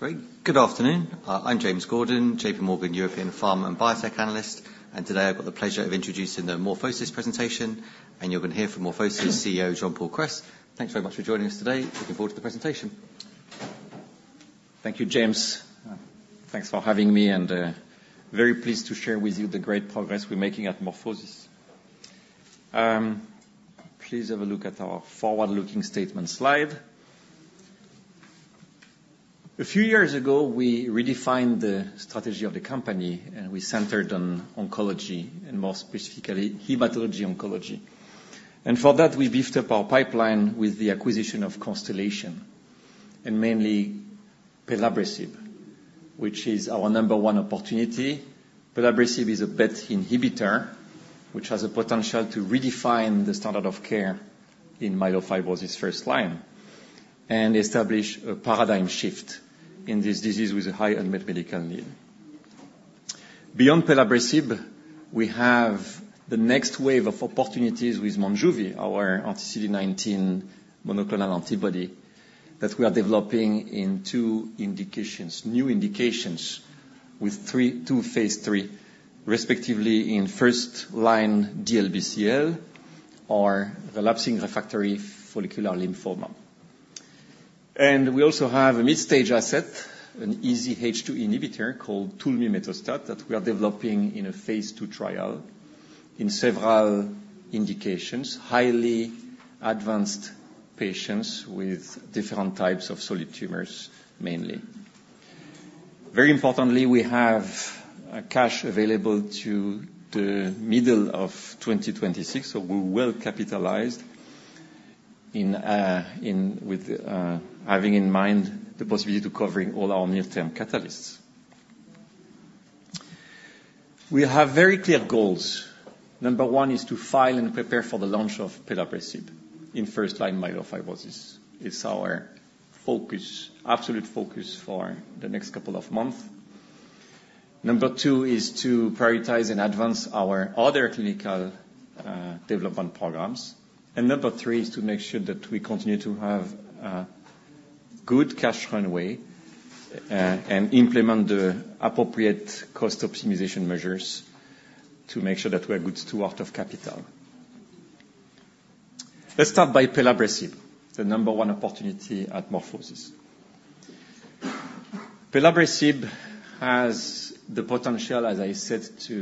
Great. Good afternoon. I'm James Gordon, JPMorgan European Pharma and Biotech analyst, and today I've got the pleasure of introducing the MorphoSys presentation, and you're going to hear from MorphoSys CEO, Jean-Paul Kress. Thanks very much for joining us today. Looking forward to the presentation. Thank you, James. Thanks for having me, and very pleased to share with you the great progress we're making at MorphoSys. Please have a look at our forward-looking statement slide. A few years ago, we redefined the strategy of the company, and we centered on oncology, and more specifically, hematology oncology. And for that, we beefed up our pipeline with the acquisition of Constellation, and mainly pelabresib, which is our number one opportunity. pelabresib is a BET inhibitor, which has a potential to redefine the standard of care in myelofibrosis first line, and establish a paradigm shift in this disease with a high unmet medical need. Beyond pelabresib, we have the next wave of opportunities with Monjuvi, our anti-CD19 monoclonal antibody, that we are developing in two indications, new indications, with three, two phase III, respectively, in first-line DLBCL or relapsing refractory follicular lymphoma. We also have a mid-stage asset, an EZH2 inhibitor called tulmimetostat, that we are developing in a phase II trial in several indications, highly advanced patients with different types of solid tumors, mainly. Very importantly, we have cash available to the middle of 2026, so we're well capitalized in, in, with, having in mind the possibility to covering all our near-term catalysts. We have very clear goals. Number one is to file and prepare for the launch of pelabresib in first-line myelofibrosis. It's our focus, absolute focus for the next couple of months. Number two is to prioritize and advance our other clinical development programs. Number three is to make sure that we continue to have good cash runway and implement the appropriate cost optimization measures to make sure that we are good steward of capital. Let's start by Pelabresib, the number one opportunity at MorphoSys. pelabresib has the potential, as I said, to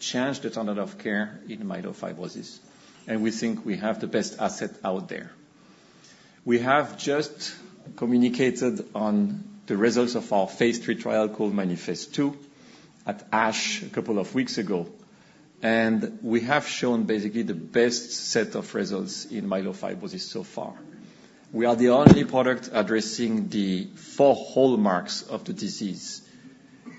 change the standard of care in myelofibrosis, and we think we have the best asset out there. We have just communicated on the results of our phase III trial called MANIFEST-2 at ASH a couple of weeks ago, and we have shown basically the best set of results in myelofibrosis so far. We are the only product addressing the four hallmarks of the disease,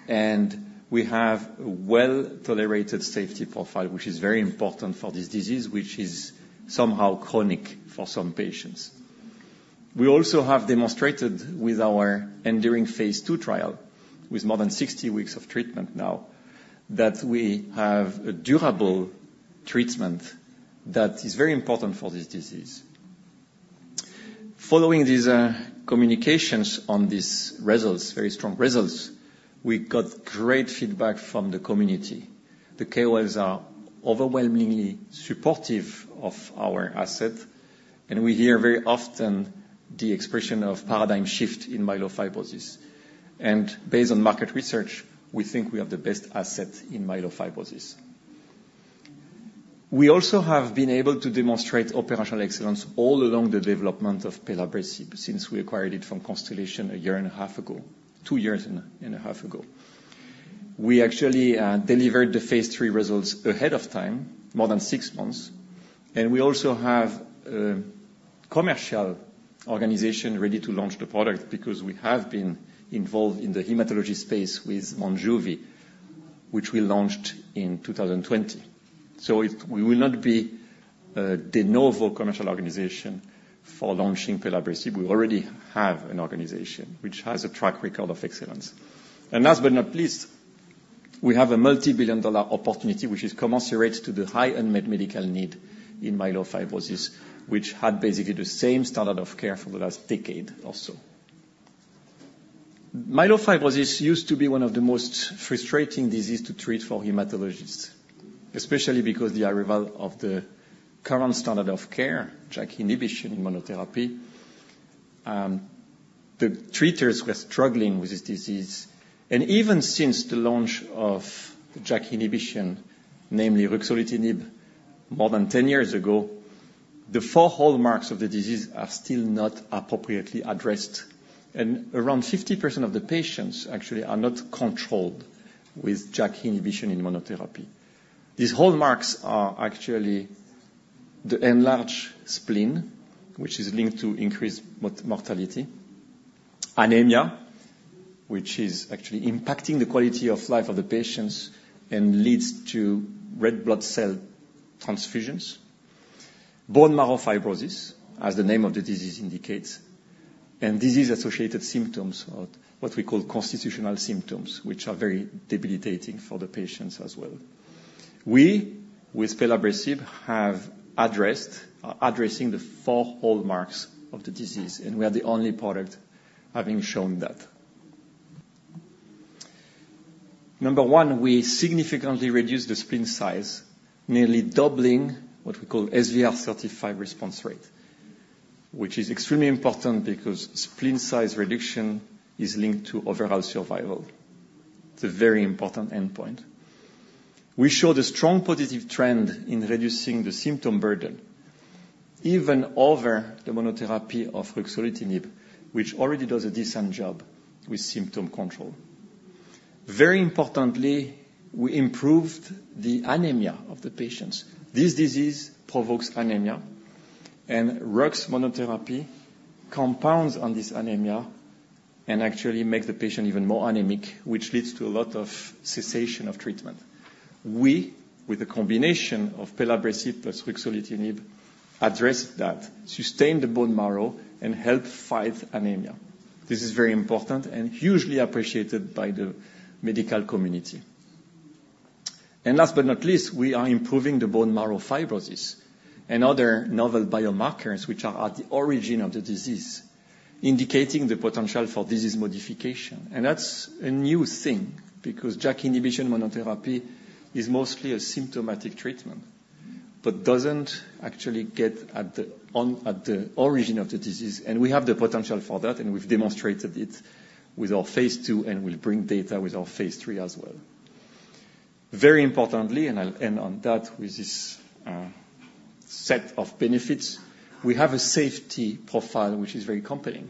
and we have a well-tolerated safety profile, which is very important for this disease, which is somehow chronic for some patients. We also have demonstrated with our enduring phase II trial, with more than 60 weeks of treatment now, that we have a durable treatment that is very important for this disease. Following these communications on these results, very strong results, we got great feedback from the community. The KOLs are overwhelmingly supportive of our asset, and we hear very often the expression of paradigm shift in myelofibrosis. Based on market research, we think we have the best asset in myelofibrosis. We also have been able to demonstrate operational excellence all along the development of pelabresib, since we acquired it from Constellation a year and a half ago, two years and a half ago. We actually delivered the phase III results ahead of time, more than six months, and we also have a commercial organization ready to launch the product because we have been involved in the hematology space with Monjuvi, which we launched in 2020. So we will not be de novo commercial organization for launching pelabresib. We already have an organization which has a track record of excellence. And last but not least, we have a multi-billion dollar opportunity, which is commensurate to the high unmet medical need in myelofibrosis, which had basically the same standard of care for the last decade or so. Myelofibrosis used to be one of the most frustrating disease to treat for hematologists, especially because the arrival of the current standard of care, JAK inhibition in monotherapy. The treaters were struggling with this disease, and even since the launch of the JAK inhibition, namely ruxolitinib, more than 10 years ago, the four hallmarks of the disease are still not appropriately addressed, and around 50% of the patients actually are not controlled with JAK inhibition in monotherapy. These hallmarks are actually the enlarged spleen, which is linked to increased mortality, anemia, which is actually impacting the quality of life of the patients and leads to red blood cell transfusions, bone marrow fibrosis, as the name of the disease indicates, and disease-associated symptoms, or what we call constitutional symptoms, which are very debilitating for the patients as well. We, with pelabresib, have addressed, are addressing the four hallmarks of the disease, and we are the only product having shown that. Number one, we significantly reduced the spleen size, nearly doubling what we call SVR35 response rate, which is extremely important because spleen size reduction is linked to overall survival. It's a very important endpoint. We showed a strong positive trend in reducing the symptom burden, even over the monotherapy of ruxolitinib, which already does a decent job with symptom control. Very importantly, we improved the anemia of the patients. This disease provokes anemia, and rux monotherapy compounds on this anemia and actually makes the patient even more anemic, which leads to a lot of cessation of treatment. We, with a combination of pelabresib plus ruxolitinib, address that, sustain the bone marrow, and help fight anemia. This is very important and hugely appreciated by the medical community. And last but not least, we are improving the bone marrow fibrosis and other novel biomarkers, which are at the origin of the disease, indicating the potential for disease modification. And that's a new thing, because JAK inhibition monotherapy is mostly a symptomatic treatment, but doesn't actually get at the origin of the disease. And we have the potential for that, and we've demonstrated it with our phase II, and we'll bring data with our phase III as well. Very importantly, and I'll end on that, with this set of benefits, we have a safety profile which is very compelling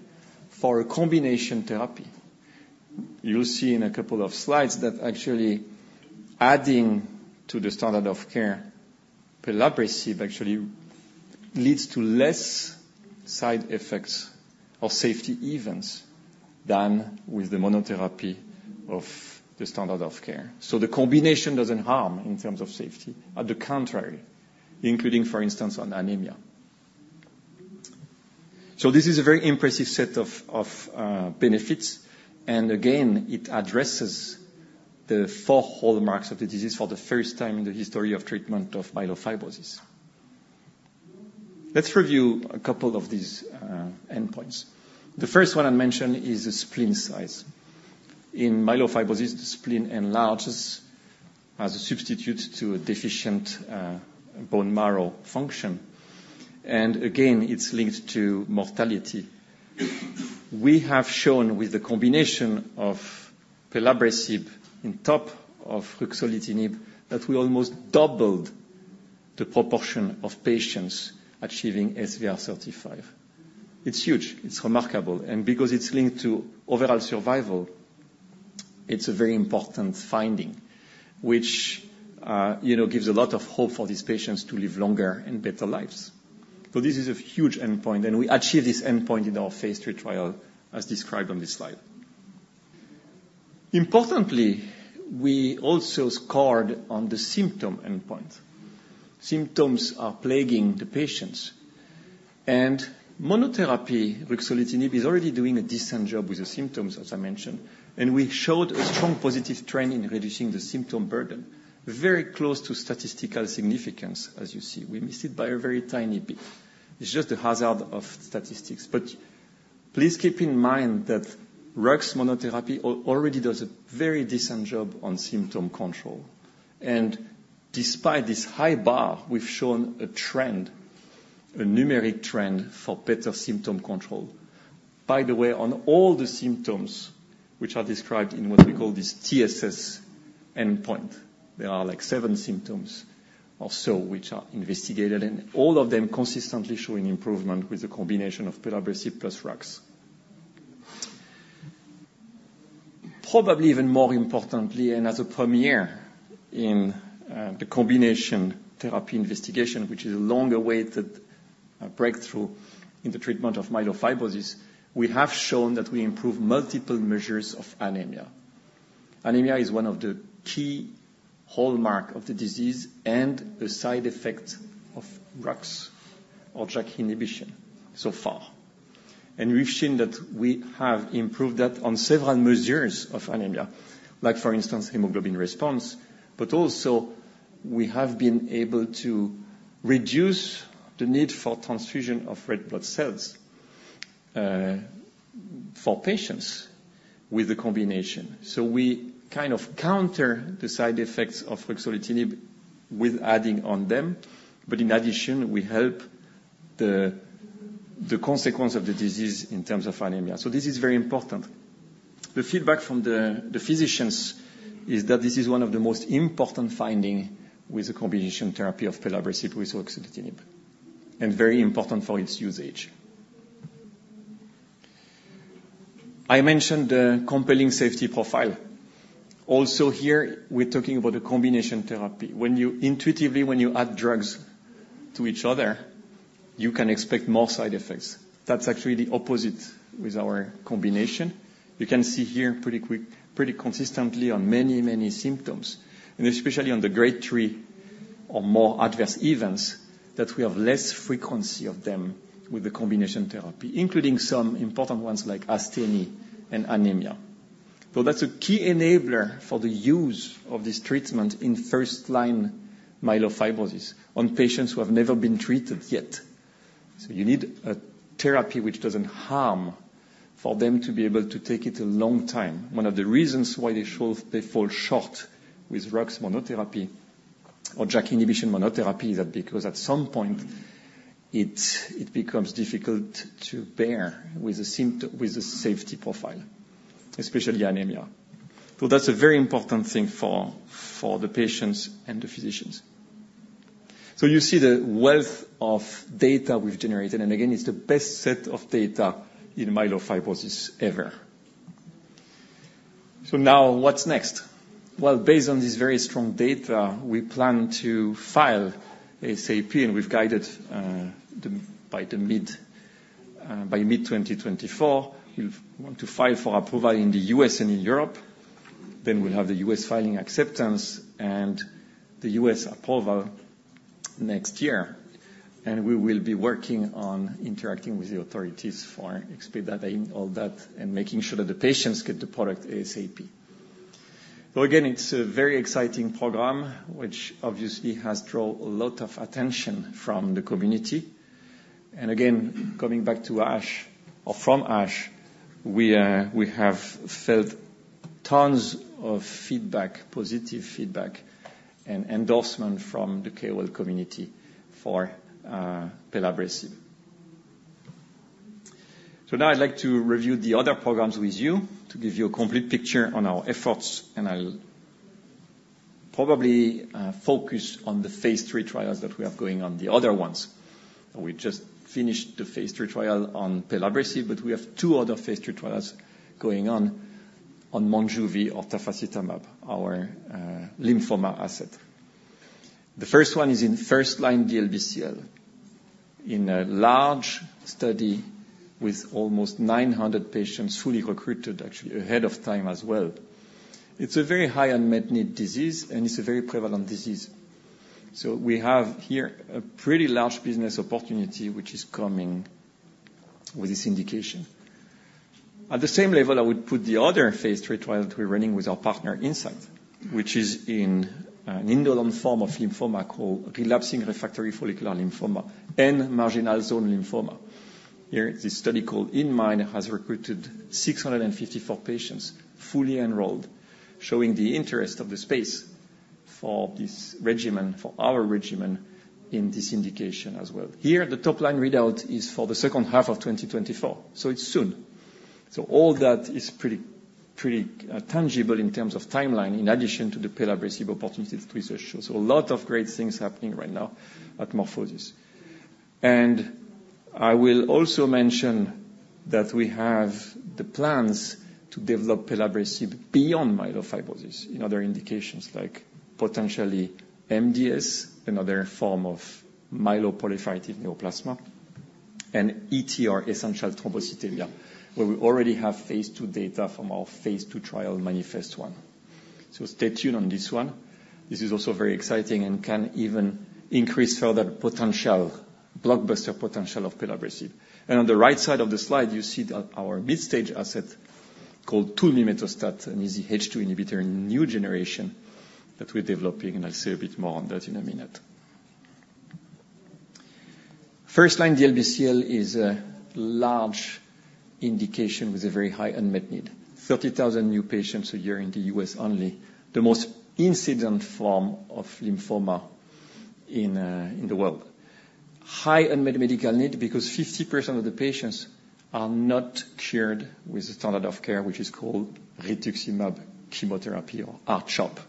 for a combination therapy. You'll see in a couple of slides that actually adding to the standard of care, pelabresib actually leads to less side effects or safety events than with the monotherapy of the standard of care. So the combination doesn't harm in terms of safety. On the contrary, including, for instance, on anemia. So this is a very impressive set of benefits. And again, it addresses the four hallmarks of the disease for the first time in the history of treatment of myelofibrosis. Let's review a couple of these endpoints. The first one I mentioned is the spleen size. In myelofibrosis, the spleen enlarges as a substitute to a deficient bone marrow function, and again, it's linked to mortality. We have shown with the combination of pelabresib on top of ruxolitinib, that we almost doubled the proportion of patients achieving SVR35. It's huge, it's remarkable, and because it's linked to overall survival, it's a very important finding, which, you know, gives a lot of hope for these patients to live longer and better lives. So this is a huge endpoint, and we achieved this endpoint in our phase III trial, as described on this slide. Importantly, we also scored on the symptom endpoint. Symptoms are plaguing the patients, and monotherapy ruxolitinib is already doing a decent job with the symptoms, as I mentioned, and we showed a strong positive trend in reducing the symptom burden. Very close to statistical significance, as you see. We missed it by a very tiny bit. It's just the hazard of statistics. But please keep in mind that rux monotherapy already does a very decent job on symptom control, and despite this high bar, we've shown a trend, a numeric trend, for better symptom control. By the way, on all the symptoms which are described in what we call this TSS endpoint, there are, like, seven symptoms or so which are investigated, and all of them consistently showing improvement with the combination of pelabresib plus rux. Probably even more importantly, and as a premiere in the combination therapy investigation, which is a long-awaited breakthrough in the treatment of myelofibrosis, we have shown that we improve multiple measures of anemia. Anemia is one of the key hallmark of the disease and a side effect of rux or JAK inhibition so far. We've seen that we have improved that on several measures of anemia, like, for instance, hemoglobin response. But also, we have been able to reduce the need for transfusion of red blood cells for patients with the combination. So we kind of counter the side effects of ruxolitinib with adding on them, but in addition, we help the consequence of the disease in terms of anemia. So this is very important. The feedback from the physicians is that this is one of the most important finding with the combination therapy of pelabresib with ruxolitinib, and very important for its usage. I mentioned the compelling safety profile. Also here, we're talking about a combination therapy. Intuitively, when you add drugs to each other, you can expect more side effects. That's actually the opposite with our combination. You can see here pretty quick, pretty consistently on many, many symptoms, and especially on the grade 3 or more adverse events, that we have less frequency of them with the combination therapy, including some important ones like asthenia and anemia. So that's a key enabler for the use of this treatment in first-line myelofibrosis on patients who have never been treated yet. So you need a therapy which doesn't harm for them to be able to take it a long time. One of the reasons why they show they fall short with rux monotherapy or JAK inhibition monotherapy is that because at some point, it becomes difficult to bear with the safety profile, especially anemia. So that's a very important thing for the patients and the physicians. So you see the wealth of data we've generated, and again, it's the best set of data in myelofibrosis ever. So now what's next? Well, based on this very strong data, we plan to file ASAP, and we've guided by mid-2024. We want to file for approval in the U.S. and in Europe. Then we'll have the U.S. filing acceptance and the U.S. approval next year, and we will be working on interacting with the authorities for expedite that and all that, and making sure that the patients get the product ASAP. So again, it's a very exciting program, which obviously has drawn a lot of attention from the community. And again, coming back to ASH or from ASH, we have felt tons of feedback, positive feedback and endorsement from the care world community for pelabresib. So now I'd like to review the other programs with you to give you a complete picture on our efforts, and I'll probably focus on the phase III trials that we have going on. The other ones, we just finished the phase III trial on pelabresib, but we have two other phase III trials going on on Monjuvi or tafasitamab, our lymphoma asset. The first one is in first-line DLBCL, in a large study with almost 900 patients, fully recruited, actually ahead of time as well. It's a very high unmet need disease, and it's a very prevalent disease. So we have here a pretty large business opportunity, which is coming with this indication. At the same level, I would put the other phase III trial that we're running with our partner, Incyte, which is in an indolent form of lymphoma called relapsing refractory follicular lymphoma and marginal zone lymphoma. Here, this study, called inMIND, has recruited 654 patients, fully enrolled, showing the interest of the space for this regimen, for our regimen, in this indication as well. Here, the top-line readout is for the second half of 2024, so it's soon. So all that is pretty, pretty, tangible in terms of timeline, in addition to the pelabresib opportunities research. So a lot of great things happening right now at MorphoSys. I will also mention that we have the plans to develop pelabresib beyond myelofibrosis in other indications, like potentially MDS, another form of myeloproliferative neoplasm, and ET, or essential thrombocythemia, where we already have phase II data from our phase II trial, MANIFEST-1. So stay tuned on this one. This is also very exciting and can even increase further potential, blockbuster potential of pelabresib. And on the right side of the slide, you see that our mid-stage asset called tulmimetostat, an EZH2 inhibitor, a new generation that we're developing, and I'll say a bit more on that in a minute. First-line DLBCL is a large indication with a very high unmet need. 30,000 new patients a year in the U.S. only, the most incident form of lymphoma in, in the world. High unmet medical need because 50% of the patients are not cured with the standard of care, which is called rituximab chemotherapy or R-CHOP.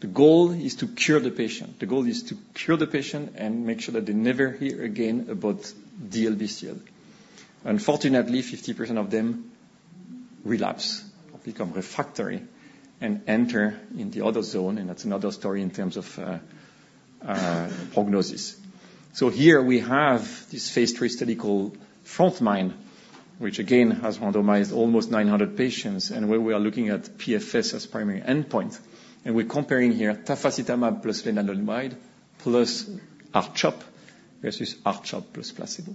The goal is to cure the patient. The goal is to cure the patient and make sure that they never hear again about DLBCL. Unfortunately, 50% of them relapse or become refractory and enter in the other zone, and that's another story in terms of, prognosis. So here we have this phase III study called frontMIND, which again, has randomized almost 900 patients, and where we are looking at PFS as primary endpoint. And we're comparing here tafasitamab plus venetoclax plus R-CHOP versus R-CHOP plus placebo.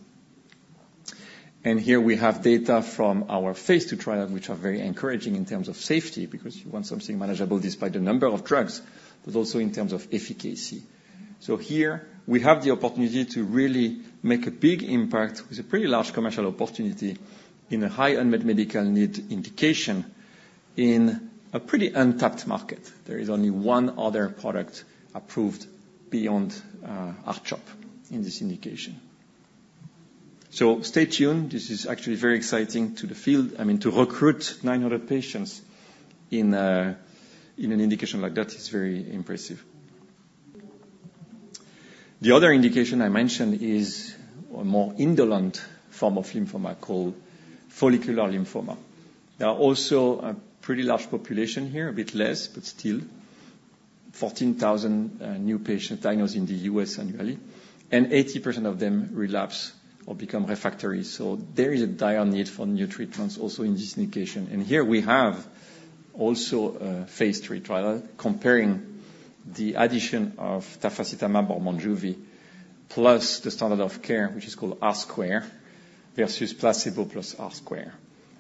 And here we have data from our phase II trial, which are very encouraging in terms of safety, because you want something manageable despite the number of drugs, but also in terms of efficacy. So here we have the opportunity to really make a big impact with a pretty large commercial opportunity in a high unmet medical need indication in a pretty untapped market. There is only one other product approved beyond R-CHOP in this indication. So stay tuned. This is actually very exciting to the field. I mean, to recruit 900 patients in an indication like that is very impressive. The other indication I mentioned is a more indolent form of lymphoma called follicular lymphoma. There are also a pretty large population here, a bit less, but still 14,000 new patients diagnosed in the U.S. annually, and 80% of them relapse or become refractory. So there is a dire need for new treatments also in this indication. And here we have also a phase III trial comparing the addition of tafasitamab or Monjuvi plus the standard of care, which is called R-squared, versus placebo plus R-squared.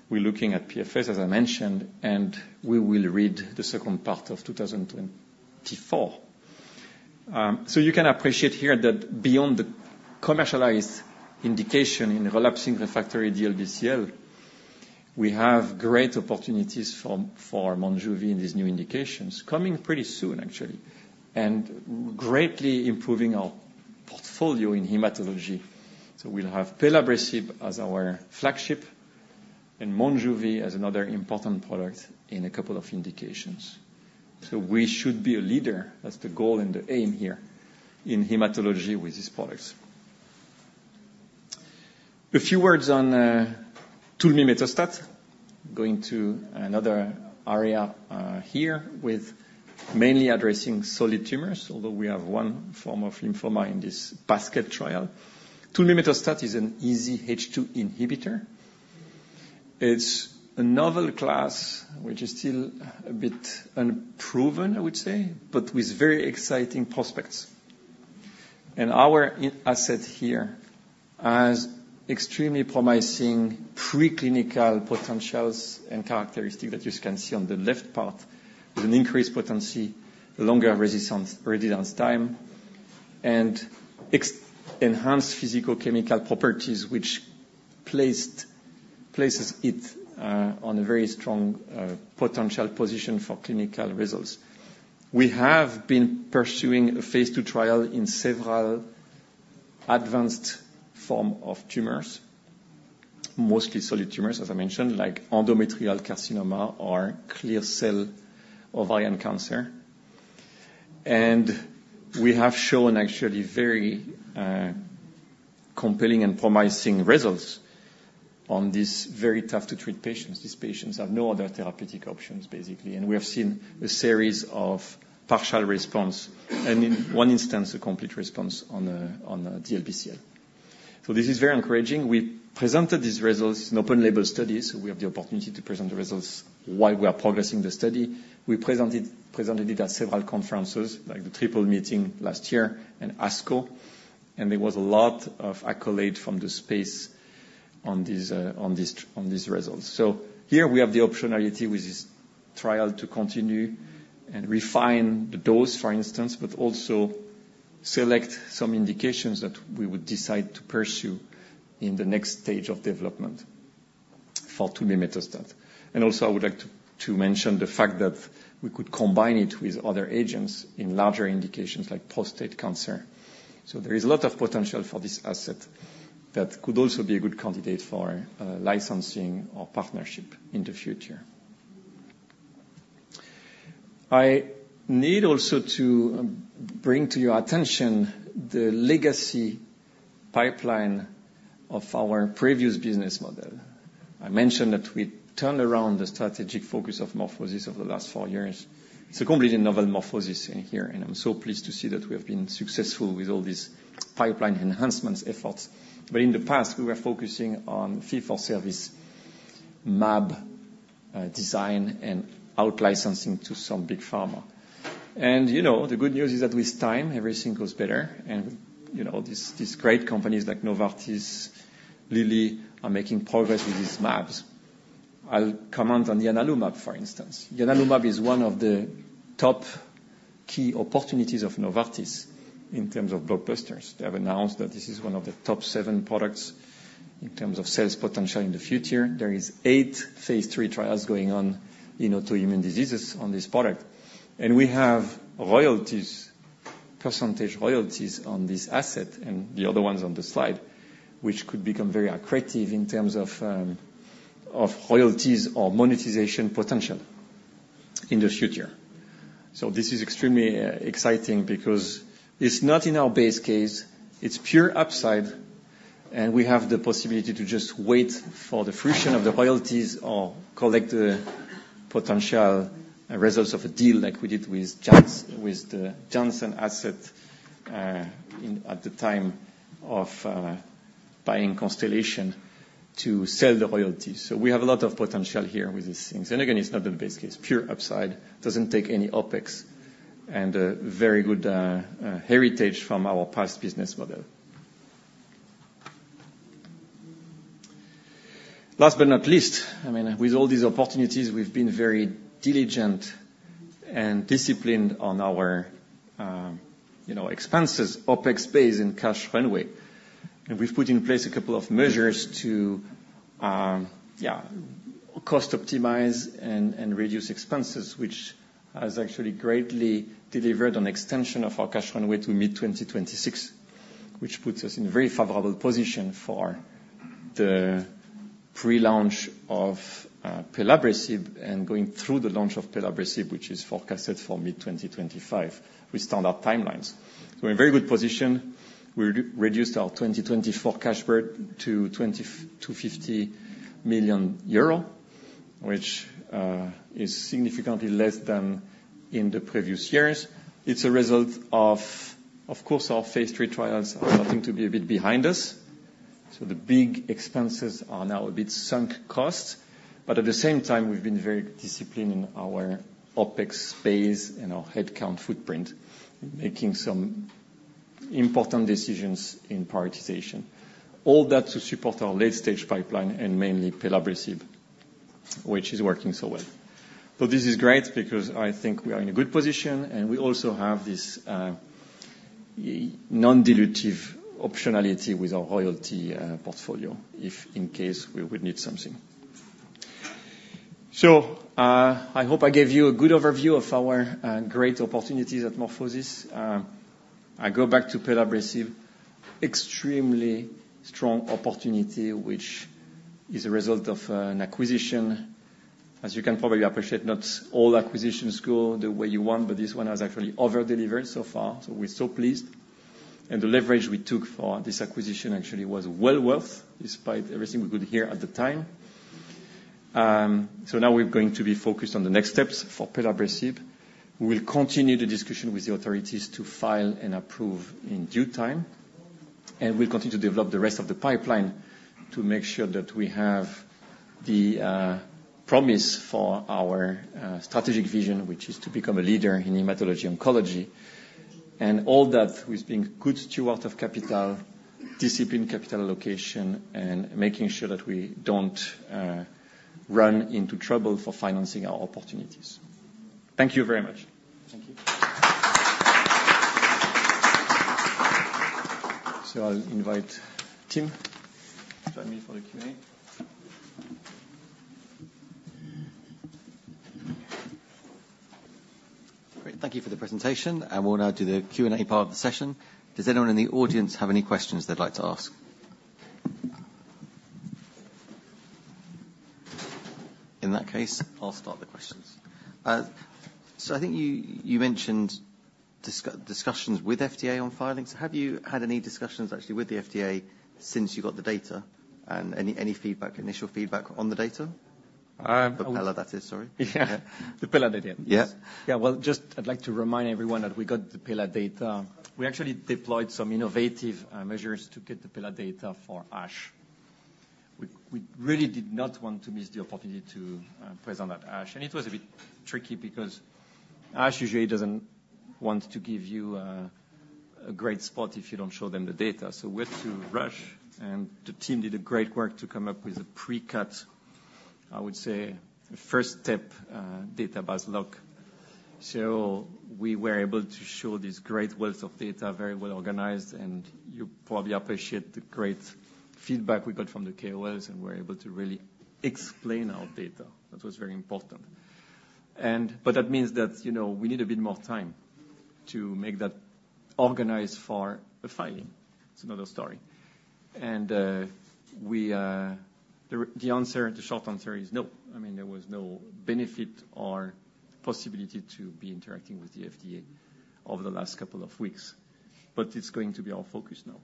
We're looking at PFS, as I mentioned, and we will read the second part of 2024. So you can appreciate here that beyond the commercialized indication in relapsing refractory DLBCL, we have great opportunities for, for Monjuvi in these new indications, coming pretty soon, actually, and greatly improving our portfolio in hematology. So we'll have pelabresib as our flagship and Monjuvi as another important product in a couple of indications. So we should be a leader. That's the goal and the aim here in hematology with these products. A few words on tulmimetostat. Going to another area, here, with mainly addressing solid tumors, although we have one form of lymphoma in this basket trial. tulmimetostat is an EZH2 inhibitor. It's a novel class, which is still a bit unproven, I would say, but with very exciting prospects. Our asset here has extremely promising preclinical potentials and characteristics that you can see on the left part, with an increased potency, longer resistance, residence time, and enhanced physicochemical properties, which places it on a very strong potential position for clinical results. We have been pursuing a phase II trial in several advanced form of tumors, mostly solid tumors, as I mentioned, like endometrial carcinoma or clear cell ovarian cancer. We have shown actually very compelling and promising results on these very tough-to-treat patients. These patients have no other therapeutic options, basically, and we have seen a series of partial response, and in one instance, a complete response on a DLBCL. So this is very encouraging. We presented these results in open label studies, so we have the opportunity to present the results while we are progressing the study. We presented it at several conferences, like the Triple Meeting last year and ASCO, and there was a lot of accolade from the space on these results. So here we have the optionality with this trial to continue and refine the dose, for instance, but also select some indications that we would decide to pursue in the next stage of development for tulmimetostat. Also, I would like to mention the fact that we could combine it with other agents in larger indications like prostate cancer. So there is a lot of potential for this asset that could also be a good candidate for licensing or partnership in the future. I need also to bring to your attention the legacy pipeline of our previous business model. I mentioned that we turned around the strategic focus of MorphoSys over the last four years. It's a completely novel MorphoSys in here, and I'm so pleased to see that we have been successful with all these pipeline enhancements efforts. But in the past, we were focusing on fee-for-service mAb design and out-licensing to some big pharma. And, you know, the good news is that with time, everything goes better. And, you know, these great companies like Novartis, Eli Lilly, are making progress with these mAbs. I'll comment on the ianalumab, for instance. Ianalumab is one of the top key opportunities of Novartis in terms of blockbusters. They have announced that this is one of the top seven products in terms of sales potential in the future. There are eight phase III trials going on in autoimmune diseases on this product. We have royalties, percentage royalties on this asset and the other ones on the slide, which could become very accretive in terms of of royalties or monetization potential in the future. So this is extremely exciting because it's not in our base case, it's pure upside, and we have the possibility to just wait for the fruition of the royalties or collect the potential results of a deal like we did with the Janssen asset in at the time of buying Constellation to sell the royalties. So we have a lot of potential here with these things. Again, it's not the base case, pure upside, doesn't take any OpEx, and a very good heritage from our past business model. Last but not least, I mean, with all these opportunities, we've been very diligent and disciplined on our, you know, expenses, OpEx base and cash runway. We've put in place a couple of measures to, yeah, cost optimize and, and reduce expenses, which has actually greatly delivered on extension of our cash runway to mid-2026, which puts us in a very favorable position for the pre-launch of pelabresib and going through the launch of pelabresib, which is forecasted for mid-2025 with standard timelines. We're in very good position. We reduced our 2024 cash burn to 20-50 million euro, which is significantly less than in the previous years. It's a result of, of course, our phase III trials are starting to be a bit behind us. So the big expenses are now a bit sunk costs, but at the same time, we've been very disciplined in our OpEx space and our headcount footprint, making some important decisions in prioritization. All that to support our late-stage pipeline and mainly pelabresib, which is working so well. So this is great because I think we are in a good position, and we also have this, non-dilutive optionality with our royalty, portfolio, if in case we would need something. So, I hope I gave you a good overview of our, great opportunities at MorphoSys. I go back to pelabresib, extremely strong opportunity, which is a result of, an acquisition. As you can probably appreciate, not all acquisitions go the way you want, but this one has actually over-delivered so far, so we're so pleased. The leverage we took for this acquisition actually was well worth, despite everything we could hear at the time. So now we're going to be focused on the next steps for pelabresib. We will continue the discussion with the authorities to file and approve in due time, and we'll continue to develop the rest of the pipeline to make sure that we have the promise for our strategic vision, which is to become a leader in hematology oncology. And all that with being good steward of capital, disciplined capital allocation, and making sure that we don't run into trouble for financing our opportunities. Thank you very much. Thank you. So I'll invite Tim to join me for the Q&A. Great. Thank you for the presentation, and we'll now do the Q&A part of the session. Does anyone in the audience have any questions they'd like to ask? In that case, I'll start the questions. So I think you mentioned discussions with FDA on filings. Have you had any discussions, actually, with the FDA since you got the data, and any feedback, initial feedback on the data? The pelabresib, that is, sorry. Yeah. The pelabresib data. Yeah. Yeah. Well, just I'd like to remind everyone that we got the Pela data. We actually deployed some innovative measures to get the Pela data for ASH. We really did not want to miss the opportunity to present at ASH, and it was a bit tricky because ASH usually doesn't want to give you a great spot if you don't show them the data. So we had to rush, and the team did a great work to come up with a pre-cut, I would say, first step database lock. So we were able to show this great wealth of data, very well organized, and you probably appreciate the great feedback we got from the KOLs, and we're able to really explain our data. That was very important. And...But that means that, you know, we need a bit more time to make that organized for the filing. It's another story. And, we, the answer, the short answer is no. I mean, there was no benefit or possibility to be interacting with the FDA over the last couple of weeks, but it's going to be our focus now.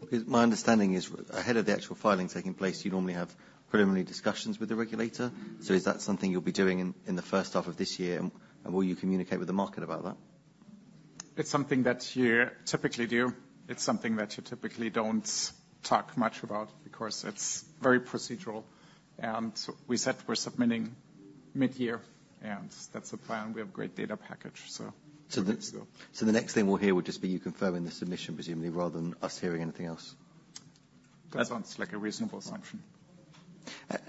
Because my understanding is, ahead of the actual filing taking place, you normally have preliminary discussions with the regulator. So is that something you'll be doing in the first half of this year, and will you communicate with the market about that? It's something that you typically do. It's something that you typically don't talk much about because it's very procedural. So we said we're submitting mid-year, and that's the plan. We have a great data package, so let's go. So the next thing we'll hear will just be you confirming the submission, presumably, rather than us hearing anything else? That sounds like a reasonable assumption.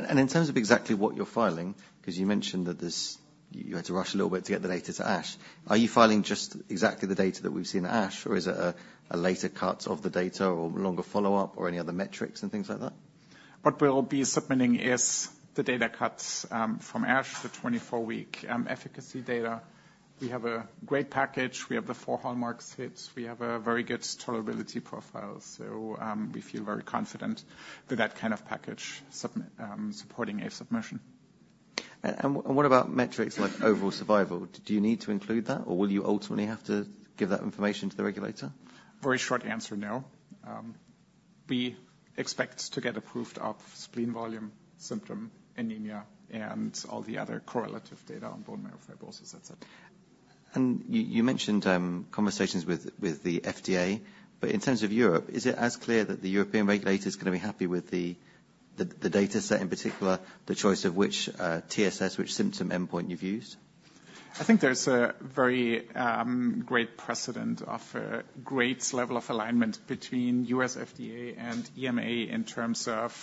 In terms of exactly what you're filing, 'cause you mentioned that this, you had to rush a little bit to get the data to ASH, are you filing just exactly the data that we've seen at ASH, or is it a later cut of the data or longer follow-up or any other metrics and things like that? What we'll be submitting is the data cuts from ASH, the 24-week efficacy data. We have a great package. We have the four hallmark fits. We have a very good tolerability profile, so we feel very confident with that kind of package supporting a submission. What about metrics like overall survival? Do you need to include that, or will you ultimately have to give that information to the regulator? Very short answer, no. We expect to get approved of spleen volume, symptom, anemia, and all the other correlative data on bone marrow fibrosis, et cetera. You mentioned conversations with the FDA. But in terms of Europe, is it as clear that the European regulator is gonna be happy with the data set, in particular, the choice of which TSS symptom endpoint you've used? I think there's a very great precedent of a great level of alignment between U.S. FDA and EMA in terms of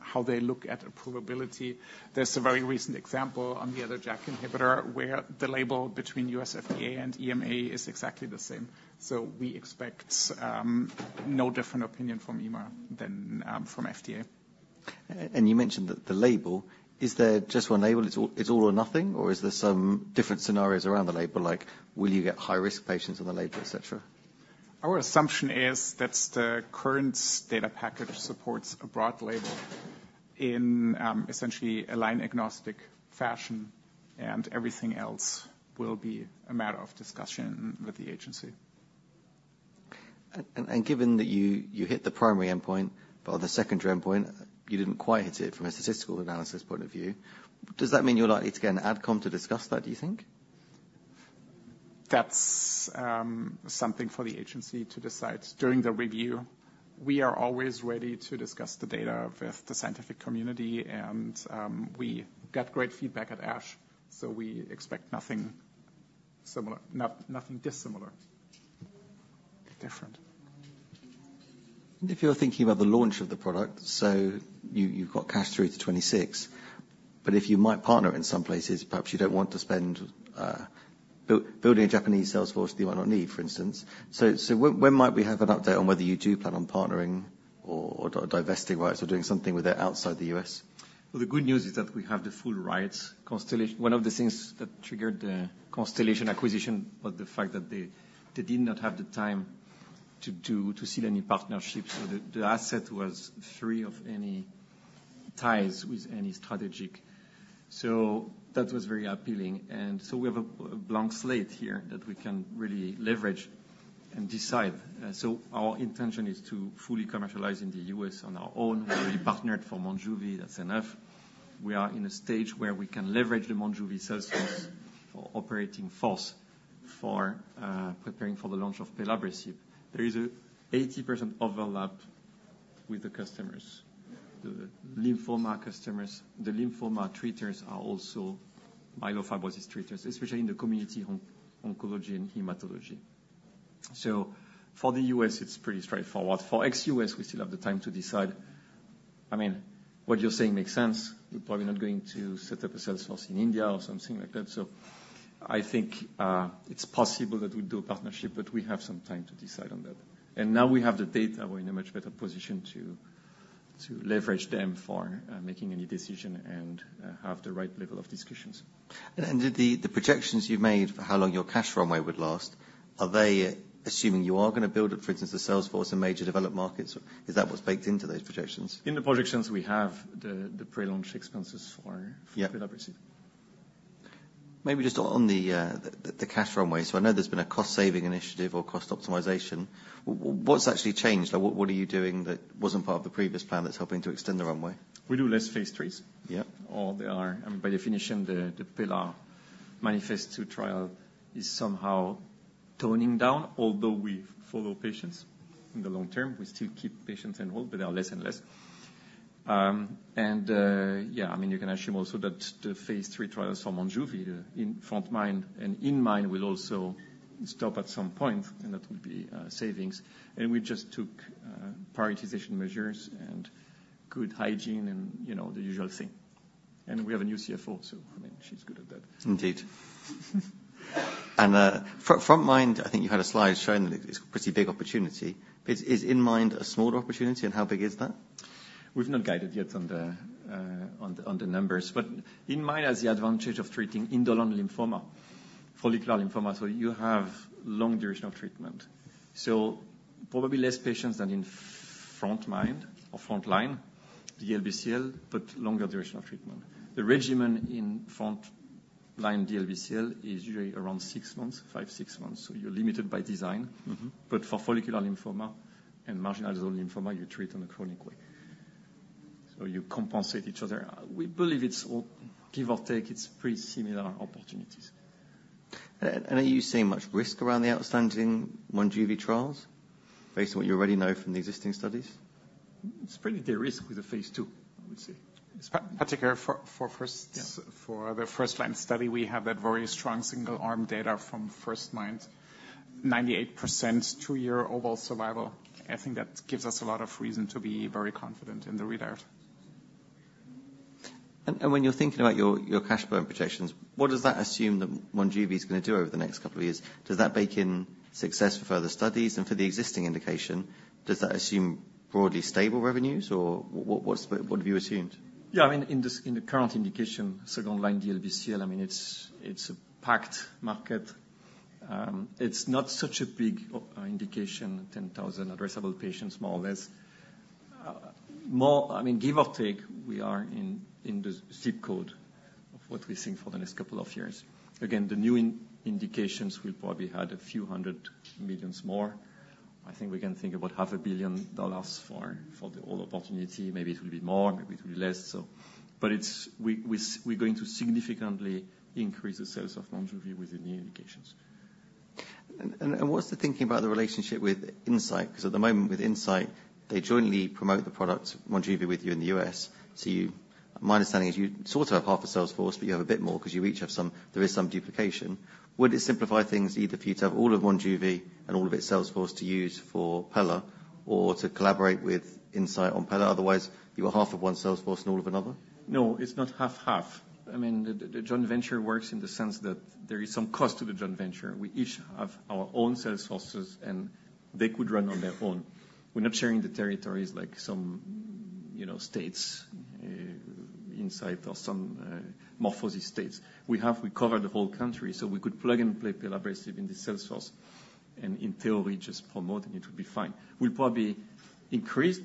how they look at approvability. There's a very recent example on the other JAK inhibitor, where the label between U.S. FDA and EMA is exactly the same. So we expect no different opinion from EMA than from FDA. You mentioned that the label, is there just one label? It's all, it's all or nothing, or is there some different scenarios around the label, like will you get high-risk patients on the label, et cetera? Our assumption is that the current data package supports a broad label in essentially a line-agnostic fashion, and everything else will be a matter of discussion with the agency. Given that you hit the primary endpoint, but on the secondary endpoint, you didn't quite hit it from a statistical analysis point of view, does that mean you're likely to get an Ad Com to discuss that, do you think?... That's something for the agency to decide during the review. We are always ready to discuss the data with the scientific community, and we got great feedback at ASH, so we expect nothing dissimilar, different. If you're thinking about the launch of the product, so you've got cash through to 2026. But if you might partner in some places, perhaps you don't want to spend building a Japanese sales force that you might not need, for instance. So, when might we have an update on whether you do plan on partnering or divesting rights or doing something with it outside the U.S.? Well, the good news is that we have the full rights. Constellation. One of the things that triggered the Constellation acquisition was the fact that they did not have the time to seal any partnerships. So the asset was free of any ties with any strategic. So that was very appealing. And so we have a blank slate here that we can really leverage and decide. So our intention is to fully commercialize in the U.S. on our own. We partnered for Monjuvi, that's enough. We are in a stage where we can leverage the Monjuvi sales force for operating force for preparing for the launch of pelabresib. There is an 80% overlap with the customers. The lymphoma customers. The lymphoma treaters are also myelofibrosis treaters, especially in the community oncology and hematology. So for the US, it's pretty straightforward. For ex-U.S., we still have the time to decide. I mean, what you're saying makes sense. We're probably not going to set up a sales force in India or something like that. So I think, it's possible that we do a partnership, but we have some time to decide on that. And now we have the data, we're in a much better position to leverage them for making any decision and have the right level of discussions. Did the projections you made for how long your cash runway would last assume you are gonna build, for instance, a salesforce in major developed markets? Is that what's baked into those projections? In the projections, we have the pre-launch expenses for pelabresib. Maybe just on the cash runway. So I know there's been a cost-saving initiative or cost optimization. What's actually changed? What are you doing that wasn't part of the previous plan that's helping to extend the runway? We do less phase III or they are by definition, the pelabresib MANIFEST-2 trial is somehow toning down, although we follow patients in the long term. We still keep patients enrolled, but they are less and less. Yeah, I mean, you can assume also that the phase III trials for Monjuvi in frontMIND and inMIND will also stop at some point, and that would be savings. And we just took prioritization measures and good hygiene and, you know, the usual thing. And we have a new CFO, so, I mean, she's good at that. Indeed. And, frontMIND, I think you had a slide showing it's a pretty big opportunity. But is inMIND a smaller opportunity, and how big is that? We've not guided yet on the numbers. But inMIND has the advantage of treating indolent lymphoma, Follicular Lymphoma, so you have long duration of treatment. So probably less patients than in frontMIND or frontline, the DLBCL, but longer duration of treatment. The regimen in front line DLBCL is usually around 6 months, 5, 6 months, so you're limited by design. But for follicular lymphoma and marginal zone lymphoma, you treat in a chronic way. So you compensate each other. We believe it's all, give or take, it's pretty similar opportunities. Are you seeing much risk around the outstanding Monjuvi trials, based on what you already know from the existing studies? It's pretty de-risk with the phase II, I would say. Particularly for the first-line study, we have that very strong single-arm data from frontMIND, 98% two-year overall survival. I think that gives us a lot of reason to be very confident in the results. When you're thinking about your cash burn projections, what does that assume that Monjuvi is gonna do over the next couple of years? Does that bake in success for further studies? And for the existing indication, does that assume broadly stable revenues, or what have you assumed? Yeah, I mean, in the current indication, second-line DLBCL, I mean, it's a packed market. It's not such a big indication, 10,000 addressable patients, more or less. I mean, give or take, we are in the zip code of what we think for the next couple of years. Again, the new indications will probably add a few hundred million more. I think we can think about $500 million for the whole opportunity. Maybe it will be more, maybe it will be less, so... But it's we, we're going to significantly increase the sales of Monjuvi within the indications. What's the thinking about the relationship with Incyte? Because at the moment, with Incyte, they jointly promote the product, Monjuvi, with you in the U.S. So you, my understanding is you sort of have half a sales force, but you have a bit more because you each have some, there is some duplication. Would it simplify things either for you to have all of Monjuvi and all of its sales force to use for Pela, or to collaborate with Incyte on Pela? Otherwise, you are half of one sales force and all of another. No, it's not 50/50. I mean, the, the joint venture works in the sense that there is some cost to the joint venture. We each have our own sales forces, and they could run on their own. We're not sharing the territories like some, you know, states, Incyte or some more states. We cover the whole country, so we could plug and play pelabresib in the sales force, and in theory, just promoting it would be fine. We'll probably increase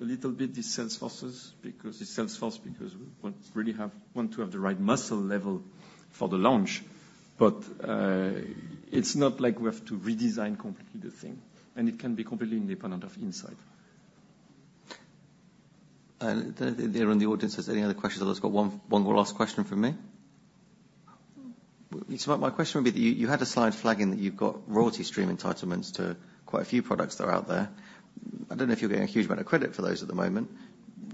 a little bit the sales forces because the sales force, because we want to have the right muscle level for the launch. But, it's not like we have to redesign completely the thing, and it can be completely independent of Incyte. And then, is there in the audience any other questions? Otherwise, got one more last question from me. So my question would be that you had a slide flagging that you've got royalty stream entitlements to quite a few products that are out there. I don't know if you're getting a huge amount of credit for those at the moment.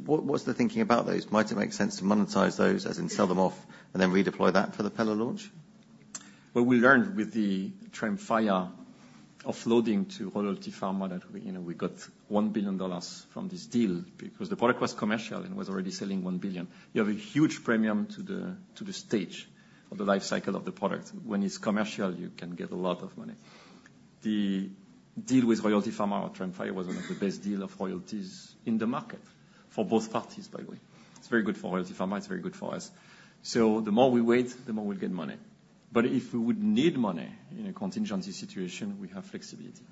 What's the thinking about those? Might it make sense to monetize those, as in sell them off, and then redeploy that for the pelabresib launch? What we learned with the Tremfya offloading to Royalty Pharma, that we, you know, we got $1 billion from this deal because the product was commercial and was already selling $1 billion. You have a huge premium to the, to the stage of the life cycle of the product. When it's commercial, you can get a lot of money. The deal with Royalty Pharma or Tremfya was one of the best deal of royalties in the market for both parties, by the way. It's very good for Royalty Pharma, it's very good for us. So the more we wait, the more we'll get money. But if we would need money in a contingency situation, we have flexibility.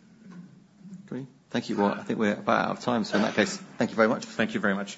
Great. Thank you. Well, I think we're about out of time, so in that case, thank you very much. Thank you very much.